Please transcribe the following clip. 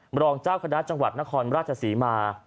รองเจ้าคณะจังหวัดนครราชศรีมา